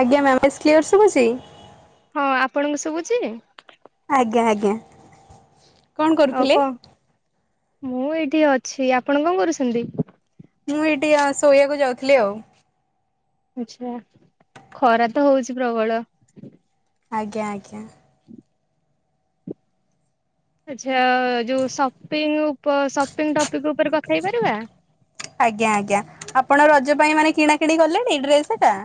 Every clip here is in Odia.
ଆଜ୍ଞା ମ୍ୟାମ ଏସ କ୍ଲିୟର ଶୁଭୁଛି। ହଁ ଆପଣଙ୍କୁ ଶୁଭୁଛି। ଆଜ୍ଞା ଆଜ୍ଞା କଣ ଆଉ କରୁଥିଲେ? କ ମୁ ଏଠି ଅଛି। ଆପଣ କଣ କରୁଛନ୍ତି? ମୁଁ ଏଠି ଆ ଶୋଇବାକୁ ଯାଉଥିଲି ଆଉ। ଆଛା ଖରା ତ ହଉଛି ପ୍ରବଳ। ଆଜ୍ଞା ଆଜ୍ଞା ହଁ ଆଚ୍ଛା ଯୋଉ ସପିଙ୍ଗ ସପିଙ୍ଗ ଟପିକ ଉପରେ କଥା ହେଇ ପାରିବା। ଆଜ୍ଞା ଆଜ୍ଞା ଆପଣ ରଜ ପାଇଁ ମାନେ କିଣା କିିଣି କଲେଣି ଡ୍ରେସ ଟା।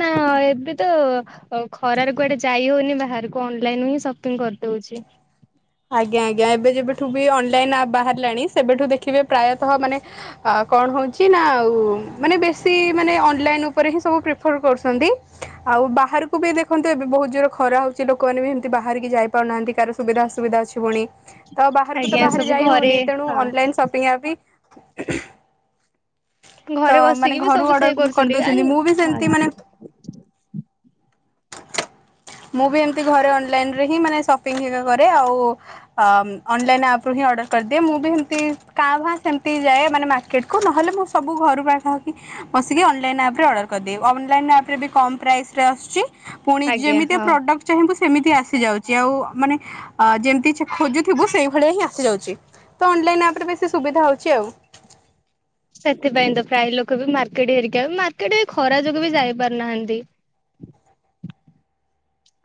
ନାଁ ନାଁ ଏବେ ତ ଆଉ ଖରାରେ କୁଆଡ଼େ ଯାଇ ହଉନି ବାହାରକୁ ଅନଲାଇନ ହିଁ ସପିଙ୍ଗ କରିଦଉଛି। ଆଜ୍ଞା ଆଜ୍ଞା ଏବେ ଯେବେଠୁ ବି ଅନଲାଇନ ଆ ବାହାରିଲାଣି ସେବେଠୁ ଦେଖିବେ ପ୍ରାୟତଃ ମାନେ ଆ କଣ ହେଉଛି ନା ଆଉ ମାନେ ବେଶି ମାନେ ଅନଲାଇନ ଉପରେ ହିଁ ପ୍ରେସର କରୁଛନ୍ତି। ଆଉ ବାହାରକୁ ବି ଦେଖନ୍ତୁ ଏବେ ବହୁତ ଜୋର ଖରା ହଉଛି ଲୋକମାନେ ବି ଏମିତି ବାହାରିକି ଯାଇ ପାରୁନାହାନ୍ତି। କାର ସୁବିଧା ସୁବିଧା ଅଛି ପୁଣି ତ ବାହାରକୁ ତ ଆଜ୍ଞା ବାହାରେ ସବୁ ଯାଇ ଘରେ ହଉନି ତେଣୁ ହଁ ଅନଲାଇନ ସପିଙ୍ଗ ବି ତ ଘରେ ବସିକି ମାନେ ବି ଘରୁ ସବୁ ସେ ଅର୍ଡର କରୁଛନ୍ତି ଆ କରିଦଉଛନ୍ତି। ମୁଁ ବି ସେମିତି ମାନେ ମୁଁ ବି ଏମିତି ଘରେ ଅନଲାଇନ ରେ ହିଁ ମାନେ ସପିଙ୍ଗ କରେ ଆଉ ଅ ଅନଲାଇନ୍ ଆପ ରୁ ହିଁ ଅର୍ଡର କରିଦିଏ। ମୁଁ ବି ସେମିତି କାଁ ଭାଁ ସେମିତି ଯାଏ ମାନେ ମା ମାର୍କେଟକୁ ନହେଲେ ମୁଁ ସବୁ ଘରୁ ବସିକି ଅନ ଲାଇନ୍ ଆପରେ ଅଡର୍ କରିଦିଏ। ଅନଲାଇ ଆପରେବି କମ ପ୍ରାଇସ ରେ ଆସୁଛି, ପୁଣି ଆଜ୍ଞା ଯେମିତି ହଁ। ଚାହିଁବୁ ସେମିତି ଆସିଯାଉଛି। ଆଉ ମାନେ ଯେମିତି ଖୋଜୁଥିବୁ ସେଇଭଳିଆ ହିଁ ଆସିଯାଉଛି ତ ଅନଲାଇନ ଆପରେ ବେଶି ସୁବିଧା ହଉଛି ଆଉ। ସେଥିପାଇଁ ତ ପ୍ରାୟ ଲୋକ ବି ମାର୍କେଟ ହେରିକା ମାର୍କେଟ ଏଇ ଖରା ଯୋଗୁ ବି ଯାଇପାରୁନାହାନ୍ତି।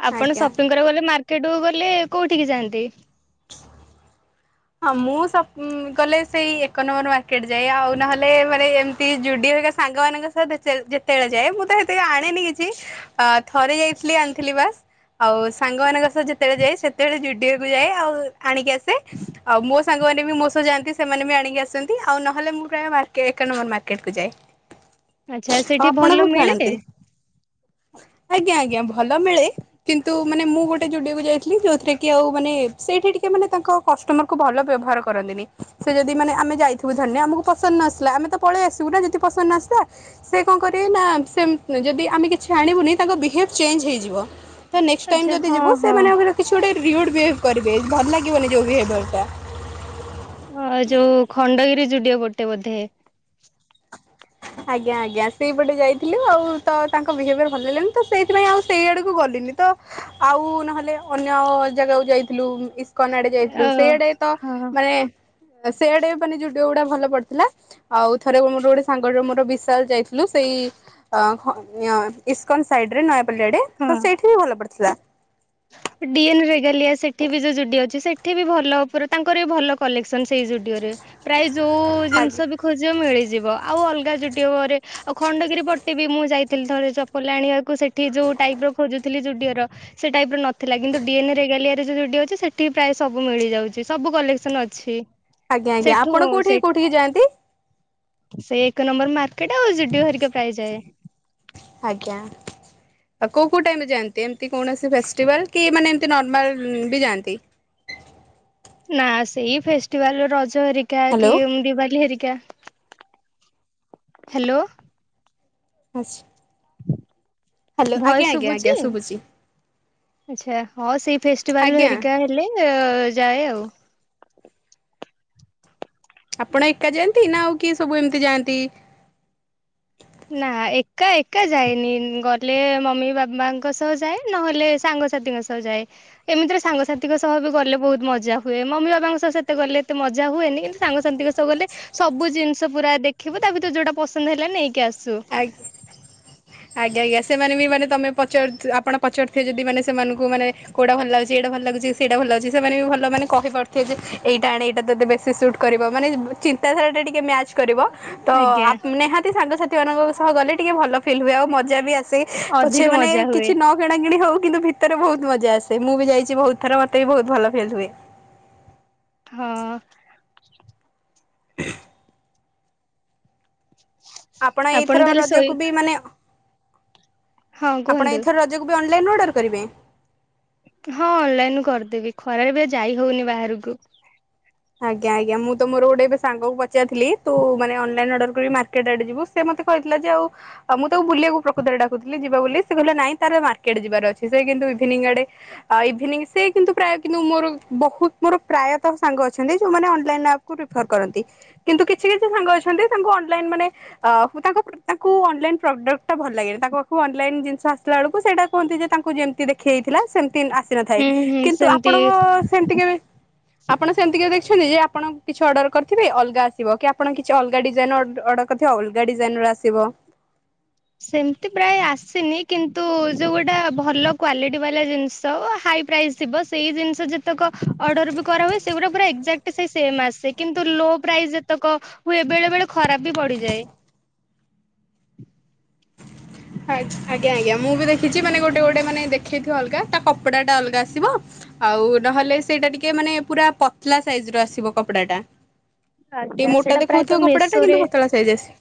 ଆପଣ ଆଜ୍ଞା ସପିଙ୍ଗ କରିବାକୁ ଗଲେ ମାର୍କେଟ କୁ ଗଲେ କୋଉଠିକି ଯାଆନ୍ତି? ହଁ ମୁଁ ସପିଂ କଲେ ସେଇ ଏକ ନମ୍ବର ମାର୍କେଟ ଯାଏ। ଆଉ ନହେଲେ ମାନେ ଏମତିକି ସାଙ୍ଗମାନଙ୍କ ସହ ଯେତେବେଳେ ଯେତେବେଳେ ଯାଏ ମୁଁ ତ ସେତେ ଆଣେନି କିଛି। ଅ ଥରେ ଯାଇଥିଲି ଆଣିଥିଲି ବାସ୍। ଆଉ ସାଙ୍ଗମାନଙ୍କ ସହ ଯେତେବେଳେ ଯାଏ ସେତେବେଳେ ଜୁଡିଓକୁ ଯାଏ ଆଉ ଆଣିକି ଆସେ। ଆଉ ମୋ ସାଙ୍ଗମାନେ ବି ମୋ ସହ ଯାଆନ୍ତି ସେମାନେ ବି ଆଣିକି ଆସନ୍ତି ଆଉ ନହେଲେ ମୁଁ ପ୍ରାୟ ମାର୍କେଟଏକ ନମ୍ବର ମାର୍କେଟ କୁ ଯାଏ। ଆଚ୍ଛା ଆଉ ସେଠି ଆପଣ ଭଲ କୋଉଠୁ ମିଳେ? ଆଣନ୍ତି? ଆଜ୍ଞା, ଆଜ୍ଞା, ଭଲ ମିଳେ! କିନ୍ତୁ ମାନେ ମୁଁ ଗୋଟେ ଯୁଡିଓକୁ ଯାଇଥିଲି ଯୋଉଥିରେ କି ଆଉ ମାନେ ସେଇଠି ଟିକେ ମାନେ ତାଙ୍କ କଷ୍ଟମର ତାଙ୍କୁ ଭଲ ବ୍ୟବହାର କରନ୍ତିନି। ସେ ଯଦି ମାନେ ଆମେ ଯାଇଥିବୁ ଧରିନିଅ ଆମକୁ ପସନ୍ଦ୍ ନ ଆସିଲା ଆମେ ତ ପଳେଇ ଆସିବୁ ନା ଯଦି ପସନ୍ଦ ନ ଆସିଲା। ସେ କଣ କରିବେ ନା ସେ ଯଦି ଆମେ କିଛି ଆଣିବୁନି ତାଙ୍କ ବିହେଭ୍ ଚେଞ୍ଜ ହେଇଯିବ। ତ ନେକ୍ସଟ ଟାଇମ୍ ଆଚ୍ଛା ଯଦି ହଁ ଯିବୁ ହଁ ସେମାନେ କଣ କହିଲ କିଛି ଗୋଟେ ରିଉଡ଼୍ ବିହେଭ୍ କରିବେ ଭଲ ଲାଗିବନି ଯୋଉ ବିହେଭିୟରଟା। ହଁ ଯୋଉ ଖଣ୍ଡଗିରି ଯୁଡିଓ ପଟେ ବୋଧେ? ହଁ। ଆଜ୍ଞା ଆଜ୍ଞା, ସେଇପଟେ ଯାଇଥିଲୁ ଆଉ ତ ତାଙ୍କ ବିହେଭିୟର୍ ଭଲଲାଗିଲାନି ତ ସେଇଥିପାଇଁ ଆଉ ସେଇ ଆଡ଼କୁ ଗଲିନି ତ ଆଉ ନହେଲେ ଅନ୍ୟ ଜାଗାକୁ ଯାଇଥିଲୁ। ଇସ୍ କନ୍ ଆଡେ ଅ ଯାଇଥିଲୁ। ସେଇଆଡେ ତ ହଁ ମାନେ ସେଇଆଡେ ମାନେ ଯୁଡିଓ ଗୁଡା ଭଲ ପଡିଥିଲା, ଆଉ ଥରେ ମୋର ଗୋଟେ ସାଙ୍ଗର ଯୋଉ ମୋର ବିଶାଲ ଯାଇଥିଲୁ ସେଇ ଇସ୍କନ୍ ସାଇଡ ରେ ନୟାପଲ୍ଲୀ ଆଡ଼େ ହଁ। ତ ସେଇଠିହିଁ ଭଲ ପଡ଼ିଥିଲା। ଡିଏନ ରେଗାଲିଆ ସେଠି ବି ଯୋଉ ଯୁଡିଓ ଅଛି ସେଠି ବି ଭଲ। ଉପରେ ତାଙ୍କର ବି ଭଲ। କଲେକ୍ସନ ସେଇ ଯୁଡିଓରେ ପ୍ରାୟ ଯୋଉ ଆଜ୍ଞା ଜିନିଷ ଖୋଜ ମିଳିଯିବ। ଆଉ ଅଲଗା ଯୁଡ଼ିଓରେ ଆଉ ଖଣ୍ଡଗିରି ପଟେ ବି ମୁଁ ଯାଇଥିଲି ଥରେ ଚପଲ ଆଣିବାକୁ। ସେଠି ଯୋଉ ଟାଇପ ର ଖୋଜୁଥିଲି ଯୁଡିଓର ସେ ଟାଇପ ର ନଥିଲା କିନ୍ତୁ ଡିଏନ୍ ରେଗାଲିଆରେ ଯୋଉ ଯୁଡ଼ିଓ ଅଛି ସେଠି ପ୍ରାୟ ସବୁ ମିଳିଯାଉଛି ସବୁ କଲେକ୍ସନ ଅଛି। ଆଜ୍ଞା ଆଜ୍ଞା, ସେଠୁ ଆପଣ ସେ କୋଉଠିକି କୋଉଠିକି ଯଆନ୍ତି? ସେଇ ଏକ ନମ୍ବର ମାର୍କେଟ ଆଉ ଯୁଡିଓ ହେରିକା ପ୍ରାୟ ଯାଏ। ଆଜ୍ଞା। ଆଉ କୋଉ କୋଉ ଟାଇମରେ ଯାଆନ୍ତି ଏମିତି କୌଣସି ଫେଷ୍ଟିଭାଲ କି ମାନେ ଏମତି ନର୍ମାଲ ବି ଯାଆନ୍ତି। ନା ସେଇ ଫେଷ୍ଟିଭାଲ ରଜ ହେରିକା ହ୍ୟାଲୋ କି ଦିବାଲି ହେରିକା। ହ୍ୟାଲୋ। ଆଚ୍ଛା। ହ୍ୟାଲୋ ଭଏସ୍ ଆଜ୍ଞା ଆଜ୍ଞା ଆଜ୍ଞା ଶୁଭୁଛି? ଆଛା ହଁ, ସେଇ ଫେଷ୍ଟିଭାଲ ଆଜ୍ଞା ହେରିକା। ହେଲେ ଯାଏ ଆଉ। ଆପଣ ଏକା ଯାଆନ୍ତି? ନା ଆଉ କିଏ ସବୁ ଏମିତି ଯାଆନ୍ତି? ନା ଏକା ଏକା ଯାଏନି ଗଲେ ମମି ବାବାଙ୍କ ସହ ଯାଏ ନହେଲେ ସାଙ୍ଗସାଥିଙ୍କ ସହ। ଯାଏ। ଏମିତିରେ ସାଙ୍ଗସାଥିଙ୍କ ସହ ବି ଗଲେ ବହୁତ ମଜା ହୁଏ। ମମି ବାବାଙ୍କ ସହ ସେତେ ଗଲେ ଏତେ ମଜା ହୁଏନି, କିନ୍ତୁ ସାଙ୍ଗସାଥିଙ୍କ ସହ ଗଲେ ସବୁ ଜିନିଷ ପୁରା ଦେଖିବୁ ତା ଭିତରେ ଯୋଉଟା ପସନ୍ଦ ହେଲା ନେଇକି ଆସୁ। [unintelligible] ଆଜ୍ଞା ଆଜ୍ଞା ସେମାନେ ବି ମାନେ ତମେ ପଚାରୁ ଆପଣ ପଚାରୁଥିବେ ଯଦି ମାନେ ସେମାନଙ୍କୁ ମାନେ କୋଉଟା ଭଲ ଲାଗୁଛି ଏଇଟା ଭଲ ଲାଗୁଛି ସେଟା ଭଲ ଲାଗୁଛି ସେମାନେ ବି ଭଲ ମାନେ କହିପାରୁଥିବେ ଯେ ଏଇଟା ଆଣ ଏଇଟା ତତେ ବେଶୀ ସୁଟ କରିବ ମାନେ ଚିନ୍ତାଧାରା ଟା ଟିକେ ମ୍ୟାଚ କରିବ। ତ ଆଜ୍ଞା ନିହାତି ସାଙ୍ଗସାଥି ମାନଙ୍କ ସହ ଗଲେ ଟିକେ ଭଲ ଫିଲ୍ ହୁଏ ଆଉ ମଜା ବି ଆ ସେ ତ ଅଧିକ ସେମାନେ ମାନେ ମଜା ହୁଏ କିଛି ନ କିଣା କିିଣି ହଉ କିନ୍ତୁ ଭିତରେ ବହୁତ ମଜା ଆସେ ମୁଁ ବି ଯାଇଛି ବହୁତ ଥର ମତେ ବି ବହୁତ ଭଲ ଫିଲ୍ ହୁଏ। ହଁ। [inaudible] [inaudible] ଆପଣ ଏଇଥର ତାହେଲେ ଶୋଇ ରଜକୁ ବି ମାନେ ହଁ ଆପଣ କୁହନ୍ତୁ ଏଇଥର ରଜକୁ ବି ଅନଲାଇନ ଅର୍ଡର କରିବେ? ହଁ ଅନଲାଇନ ରୁ କରିଦେବି ଖରାରେ ଏବେ ଯାଇ ହଉନି ବାହାରକୁ। ଆଜ୍ଞା ଆଜ୍ଞା ମୁ ତ ମୋର ଗୋଟେ ଏବେ ସାଙ୍ଗ କୁ ପଚାରିଥିଲି ତୁ ମାନେ ଅନଲାଇନ ଅର୍ଡର କରି ମାର୍କେଟ ଆଡେ ଯିବୁ ସେ ମତେ କହିଥିଲା ଯେ ଆଉ ଆ ମୁଁ ତାକୁ ବୁଲିବାକୁ ପ୍ରକୃତରେ ଡାକୁଥିଲିି ଯିବା ବୋଲି ସେ କହିଲା ନାଇଁ ତାର ମାର୍କେଟ ଯିବାର ଅଛି ସେ କିନ୍ତୁ ଇଭିନିଂ ଆଡେ ଆ ଇଭିନିଂ ସେ କିନ୍ତୁ ପ୍ରାୟ କିନ୍ତୁ ମୋର ବହୁତ ମୋର ପ୍ରାୟତଃ ସାଙ୍ଗ ଅଛି ଅଛନ୍ତି ଯୋଉ ମାନେ ଅନଲାଇନ ଆପକୁ ରିଫର କରନ୍ତି କିନ୍ତୁ କିଛି କିଛି ସାଙ୍ଗ ଅଛନ୍ତି ତାଙ୍କୁ ଅନଲାଇନ ମାନେ ଅ ମୁଁ ତାଙ୍କୁ ତାଙ୍କୁ ଅନଲାଇନ ପ୍ରଡକ୍ଟ ଟା ଭଲ ଲାଗେନି ତାଙ୍କ ପାଖକୁ ଅନଲାଇନ ଜିନିଷ ଆସିଲା ବେଳକୁ ସେଟା କୁହନ୍ତି ଯେ ତାଙ୍କୁ ଯେମିତି ଦେଖ ହେଇଥିଲା ସେମିତି ଆସିନଥାଏ ହୁଁ ହୁଁ କିନ୍ତୁ ସେମିତି ଆପଣଙ୍କ ସେମତି କେବେ ଆପଣ ସେମିତି କେବେ ଦେଖିଛନ୍ତି ଯେ ଆପଣ କିଛି ଅର୍ଡର କରିଥିବେ ଅଲଗା ଆସିବ କି ଆପଣ କିଛି ଅଲଗା ଡିଜାଇନ ଅର୍ଡର କରି ଅଲଗା ଡିଜାଇନ ର ଆସିବ। ସେମିତି ପ୍ରାୟ ଆସିନି କିନ୍ତୁ ଯଉ ଟା ଭଲ କ୍ଵାଲିଟି ବାଲା ଜିନିଷ ହାଇ ପ୍ରାଇସ୍ ଥିବ ସେଇ ଜିନିଷ ଯେତେକ ଅର୍ଡର ବି କରା ହୁଏ ସେଗୁଡା ପୁରା ଏକଯାକ୍ଟ ସେ ସେମ୍ ଆସେ କିନ୍ତୁ ଲୋ ପ୍ରାଇସ୍ ଯେତେକ ହୁଏ ବେଳେ ବେଳେ ଖରାପ ବି ବଢ଼ି ଯାଏ। ଆଜ୍ଞା ଆଜ୍ଞା ମୁଁ ବି ଦେଖିଛି ମାନେ ଗୋଟେ ଗୋଟେ ମାନେ ଦେଖେଇଥିବ ଅଲଗା ତା କପଡା ଟା ଅଲଗା ଆସିବ। ଆଉ ନହେଲେ ସେଇଟା ଟିକେ ମାନେ ପୁରା ପତଲା ସାଇଜ ର ଆସିବ କପଡା ଟା। ଟିକେ ଆଜ୍ଞା ମୋଟା ସେଇଟା ଦେଖଉଥିବ ପ୍ରାୟତଃ କପଡା ଟା ମେସୋରେ କିନ୍ତୁ ପତଳା ସାଇଜ୍ ଆସିବ।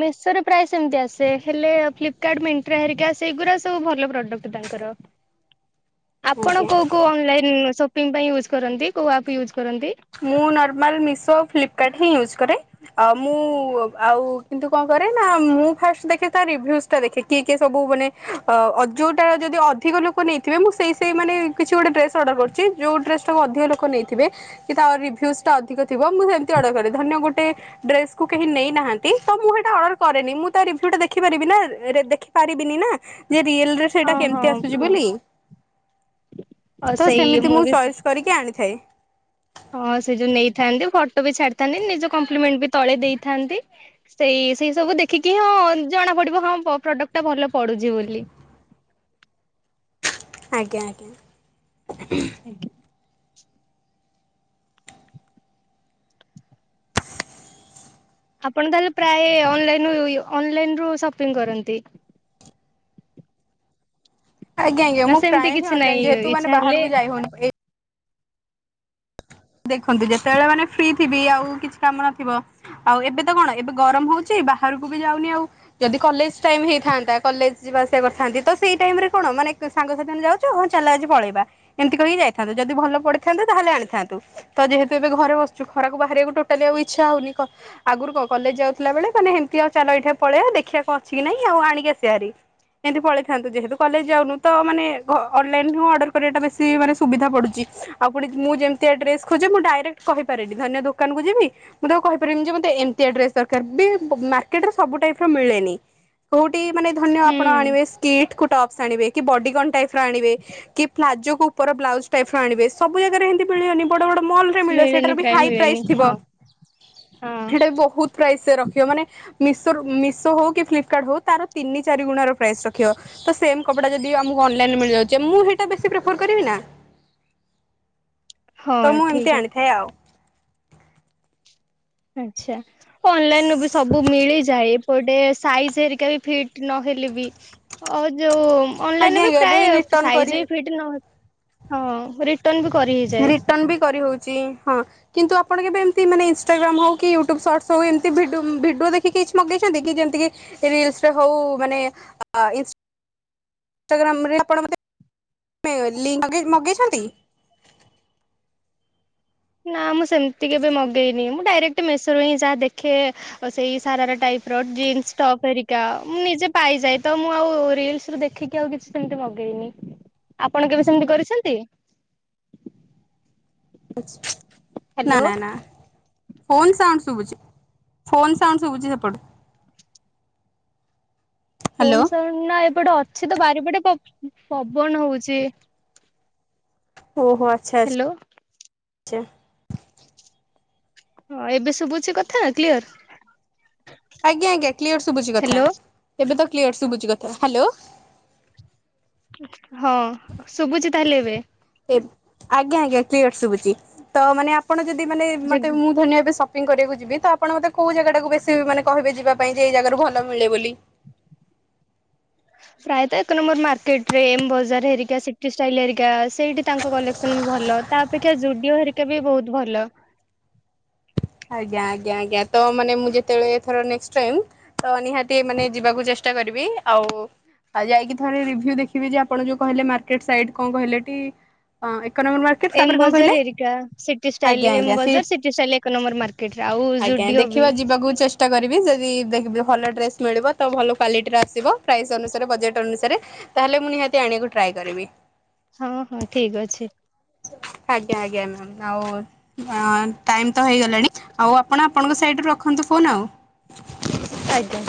ମେସୋରେ ପ୍ରାଇସ୍ ଏମିତି ଆସେ ହେଲେ ଫ୍ଲିପକାର୍ଟ ମେଣ୍ଟ୍ରା ହେରିକା ସେଇଗୁଡ଼ା ସବୁ ଭଲ ପ୍ରଡକ୍ଟ ତାଙ୍କର। [inaudible] ଆପଣ ଆଜ୍ଞା। କଉ କଉ ଅନଲାଇନ୍ ସପିଙ୍ଗ ପାଇଁ ୟୁଜ୍ କରନ୍ତି କଉ ଆପ୍ ୟୁଜ୍ କରନ୍ତି? ମୁଁ ନର୍ମାଲ ମେଶୋ ଫ୍ଲିପକାର୍ଟ ହିଁ ୟୁଜ୍ କରେ। ଆ ମୁଁ ଆଉ କିନ୍ତୁ କଣ କରେ ନା ମୁଁ ଫାଷ୍ଟ ଦେଖେ ତା ରିଭ୍ୟୁଜ ଦେଖିକି କିଏ କିଏ ସବୁ ମାନେ ଅ ଯୋଉଟା ଯଦି ଅଧିକ ଲୋକ ନେଇଥିବେ ମୁଁ ସେଇ ସେଇ ମାନେ କିଛି ଗୋଟେ ଡ୍ରେସ ଅର୍ଡର କରୁଛି ଯୋଉ ଡ୍ରେସ ଟାକୁ ଅଧିକ ଲୋକ ନେଇଥିବେ କି ତାର ରିଭ୍ୟୁଜଟା ଅଧିକ ଥିବ ମୁଁ ସେମିତି ଅର୍ଡ଼ର କରେ ଧରି ନିଅ ଗୋଟେ ଡ୍ରେସକୁୁ କେହି ନେଇନାହାନ୍ତି ତ ମୁଁ ସେଟା ଅର୍ଡର କରେନି ମୁଁ ତା ରିଭ୍ୟୁଜ ଦେଖିପାରିବି ନା ପାରିବିନି ନା ଯେ ରିଏଲରେ ହଁ ସେଇଟା ହଁ କେମତି ଆସୁଛି ହୁଁ। ବୋଲି ଆଉ ତ ସେଇ ସେମିତି ମୁଁ ବି ସେ ଚଏସ୍ କରିକି ଆଣିଥାଏ। ହଁ ସେ ଯୋଉ ନେଇଥାନ୍ତି ଫଟୋ ବି ଛାଡିଥାନ୍ତି ନିଜ କମ୍ପ୍ଲିମେଣ୍ଟ ବି ତଳେ ଦେଇଥାନ୍ତି। ସେଇ ସେଇ ସବୁ ଦେଖିକି ହଁ ଜଣା ପଡିବ ହଁ ପ୍ରଡକ୍ଟ ଟା ଭଲ ପଡୁଛି ବୋଲି। ଆଜ୍ଞା ଆଜ୍ଞା। [inaudible] ଆପଣ ତାହେଲେ ପ୍ରାୟ ଅନଲାଇନରୁ ଅନଲାଇନ ରୁ ସପିଂ କରନ୍ତି। ଆଜ୍ଞା ଆଜ୍ଞା ନା ମୁଁ ସେମିତି ପ୍ରାୟ ହି କିଛି ନାହିଁ ଅନଲାଇନ ଯେହେତୁ ଇଚ୍ଛା ମାନେ ହେଲେ ବାହାରକୁ ଯାଇ ହଉନି। ଦେଖନ୍ତି ଯେତେବେଳେ ମାନେ ଫ୍ରି ଥିବି ଆଉ କିଛି କାମ ନଥିବ। ଆଉ ଏବେ ତ କଣ ଏବେ ଗରମ ହଉଛି ବାହାରକୁ ବି ଯାଉନି ଆଉ। ଯଦି କଲେଜ ଟାଇମ ହେଇଥାନ୍ତା କଲେଜ ଯିବା ଆସିବା କରିଥାନ୍ତି। ତ ସେଇ ଟାଇମ ରେ କଣ ମାନେ ସାଙ୍ଗସାଥି ମାନେ ହଉ ଯାଉଛୁ ହଁ ଚାଲ ଆଜି ପଳେଇବା। ଏମିତି କହିକି ଯାଇଥାନ୍ତୁ। ଯଦି ଭଲ ପଡିଥାନ୍ତୁ ତାହେଲେ ଆଣିଥାନ୍ତୁ। ତ ଯେହେତୁ ଏବେ ଘରେ ବସିଛୁ। ଖରାକୁ ବାହାରିବାକୁ ଟୋଟାଲି ଆଉ ଇଚ୍ଛା ହଉନି। ଆଗରୁ କଣ କଲେଜ ଯାଉଥିଲା ବେଳେ ମାନେ ଏମିତି ଆଉ ଚାଲ ଏଇଠି ପଳେଇବା ଦେଖିବା କଣ ଅଛି କି ନାଇଁ ଆଉ ଆଣିକି ଆସିିବା ହାରି। ଏମିତି ପଳେଇଥାନ୍ତୁ ଯେହେତୁ କଲେଜ ଯାଉନୁ ତ ମାନେ ଅନଲାଇନ ରୁ ଅର୍ଡର କରିବାଟ ବେଶି ମାନେ ସୁବିଧା ପଡୁଛି। ଆଉ ପୁଣି ମୁଁ ଯେମିତିଆ ଡ୍ରେସ ଖୋଜେ ମୁଁ ଡାଇରେକ୍ଟ କହିପାରେନି। ଧରିନିଅ ଦୋକାନକୁ ଯିବି। ମୁଁ ତାକୁ କହିପାରିବିନି ଯେ ମତେ ଏମିତିଆ ଡ୍ରେସ ଦରକାର ବି ମାର୍କେଟରେ ସବୁ ଟାଇପ ର ମିଳେନି। କୋଉଠି ମାନେ ଧରିନିଅ ହୁଁ ଆପଣ ଆଣିବେ ସ୍କିଟ୍ କୁ ଟପ୍ସ ଆଣିବେ କି ବଡିଗନ୍ ଟାଇପ ର ଆଣିବେ। କି ପ୍ଲାଜୋ କୁ ଉପର ବ୍ଲାଉଜ ଟାଇପ ର ଆଣିବେ ସବୁ ଜାଗାରେ ଏମିତି ମିଳିବନି ବଡ ବଡ ମଲ ମିଳିବ ମିଳେନି ସେଟା ବି ପ୍ରାୟ ହାଇ ମିଳେନି ପ୍ରାଇଜ୍ ଥିବ। ହଁ। ହଁ ସେଟା ବି ବହୁତ ପ୍ରାଇଜ୍ ରଖିବ ମାନେ ମିଶୋ ରୁ ମିଶୋ ହଉ କି ଫ୍ଲିପକାର୍ଟ ହଉ ତାର ତିନି ଚାରି ଗୁଣା ର ପ୍ରାଇସ୍ ରଖିବ। ତ ସେମ କପଡା ଯଦି ଆମକୁ ଅନଲାଇନରେ ମିଳିଯାଉଛି। ମୁଁ ହେଇଟା ବେଶି ପ୍ରିଫର କରିବି ନା। ତ ହଁ ମୁଁ ଏମିତି ଠିକ ଆଣିଥାଏ ଆଉ। ଆଛା ଅନଲାଇନ ରୁ ବି ସବୁ ମିଳିଯାଏ। ଗୋଟେ ସାଇଜ ହେରିକା ବି ଫିଟ୍ ନହେଲେ ବି ଆଉ ଯୋଉ ଅନଲାଇନ ଆଜ୍ଞା ବି ଆଜ୍ଞା ଏବେ ପ୍ରାୟ ରିଟର୍ଣ କରି ସାଇଜ ବି ଫିଟ୍ ନ ହଁ [unintelligible] ହେଇଯାଏ। ରିଟନ୍ ବି କରି ହଉଚି ହଁ। କିନ୍ତୁ ଆପଣ କେବେ ଏମିତି ମାନେ ଇନଷ୍ଟାଗ୍ରମ୍ ହଉ କି ୟୁଟ୍ୟୁବ ସର୍ଟସ୍ ହଉ ଏମିତି ଭି ଭିଡ଼ିଓ ଦେଖି କିଛି ମଗେଇଛନ୍ତି କି ଯେମିତିକି ରିଲ୍ସ ରେ ହଉ ମାନେ ଆ ଆ ଇଜ୍ ଇନ୍ଷ୍ଟାଗ୍ରାମରେ ଆପଣ ମତେ ଲିଙ୍କ ମଗେଇ ମଗେଇଛନ୍ତି। ନା ମୁଁ ସେମିତି କେବେ ମଗେଇନି ମୁଁ ଡାଇରେକ୍ଟ ମେସରୁ ହିଁ ଯାହା ଦେଖେ ସେଇ ସାରାର ଟାଇପ ର ଜିନ୍ସ ଟପ୍ରିକା ମୁଁ ନିଜେ ପାଇଯାଏ ତ ମୁଁ ଆଉ ରିଲସ୍ ଦେଖ ଟିକ୍ ଆଉ କିଛି ସେମିତି ମଗେଇନି ଆପଣ କେବେ ସେମିତି କରିଛନ୍ତି। [unintelligible] ନା ହ୍ୟାଲୋ ନା ନା ଫୋନ୍ ସାଉଣ୍ଡ ଶୁଭୁଛି ଫୋନ୍ ସାଉଣ୍ଡ ଶୁଭୁଚି ସେପଟେ। ହ୍ୟାଲୋ। ଫୋନ୍ ସାଉଣ୍ଡ ନା ଏପଟେ ଅଛି ତ ବାରିପଟେ ପବନ ହଉଛି। ଓ ହୋ ଆଚ୍ଛା ଆଛା ହ୍ୟାଲୋ ଆଛା। ହଁ ଏବେ ସବୁ ଅଛି କଥା କ୍ଲିୟର। ଆଜ୍ଞା ଆଜ୍ଞା କ୍ଲିୟର ଶୁଭୁଚ କଥା ହ୍ୟାଲୋ ଏବେ ତ କ୍ଲିୟର ଶୁଭୁଚି କଥା। ହାଲୋ ହଁ ଶୁଭୁଚି ତାହେଲେ ଏବେ। ଆଜ୍ଞା ଆଜ୍ଞା କ୍ଲିୟର୍ ଶୁଭୁଚି ତ ମାନେ ଆପଣ ଯଦି ମାନେ ଯେ ମତେ ମୁଁ ଧରିନିଅ ଏବେ ସଂପି କରିବାକୁ ଯିବି ତ ଆପଣ ମୋତେ କଉ ଜାଗାଟାକୁ ବେଶୀ ମାନେ କହିବେ ଯିବା ପାଇଁ ଯେ ଏଇ ଜାଗାରୁ ଭଲ ମିଳେ ବୋଲି। ପ୍ରାୟତ ଏକ ନମ୍ବର ମାର୍କେଟ ରେ ଏମ୍ ବଜାର ହେରିକା ସିଟି ଷ୍ଟାଇଲ ହେରିକା ସେଇଠି ତାଙ୍କ କଲେକ୍ସନ ବି ଭଲ। ତା ଅପେକ୍ଷା ଜୁଡିଓ ହରିକା ବି ବହୁତ ଭଲ। ଆଜ୍ଞା ଆଜ୍ଞା ଆଜ୍ଞା ତ ମାନେ ମୁଁ ଯେତେବେଳେ ଥର ନେକ୍ସଟ ଟାଇମ ତ ନିହାତି ମାନେ ଯିବାକୁ ଚେଷ୍ଟା କରିବି ଆଉ ଆଉ ଯାଇକି ଥରେ ରିଭ୍ୟୁ ଦେଖିବି ଯେ ଆପଣ ଯୋଉ କହିଲେ ମାର୍କେଟ ସାଇଟ୍ କଣ କହିଲେ ଟି? ହଁ ଏକ ନମ୍ବର [unintelligible] ଏମ୍ କହିଲେ ବଜାର ହେରିକା ସିଟି ଆଜ୍ଞା ଷ୍ଟାଇଲ ଏମ୍ ଆଜ୍ଞା ସେ ବଜାର, ସିଟି ଷ୍ଟାଇଲ ଏକ ନମ୍ବର ମାର୍କେଟ ରେ। ଆଉ ଆଜ୍ଞା ଜୁଡିଓ ବି ଦେଖିବା ଯିବାକୁ ଚେଷ୍ ଚେଷ୍ଟା କରିବି ଯଦି ଦେଖିବି ଭଲ ଡ୍ରେସ୍ ମିଳିବ ତ ଭଲ କ୍ଲାଲିଟିର ଆସିବ ପ୍ରାଇସ୍ ଅନୁସାରେ ବଜେଟ୍ ଅନୁସାରେ ତାହେଲେ ମୁଁ ନିହାତି ଆଣିବାକୁ ଟ୍ରାଏ କରିବି ହଁ ହଁ ଠିକ୍ ଅଛି ଆଜ୍ଞା ଆଜ୍ଞା ମ୍ୟାାମ୍ ଆଉ ଟାଇମ୍ ତ ହେଇଗଲାଣି ଆଉ ଆପଣ ଆପଣଙ୍କ ସାଇଡ଼ୁ ରଖନ୍ତୁ ଫୋନ୍ ଆଉ ଆଜ୍ଞା